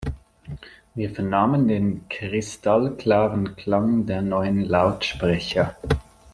Wir vernahmen den kristallklaren Klang der neuen Lautsprecher.